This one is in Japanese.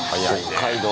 北海道